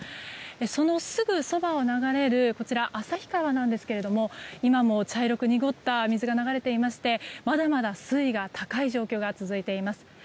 そのすぐそばを流れる旭川なんですけども今も茶色く濁った水が流れていましてまだまだ水位が高い状況が続いています。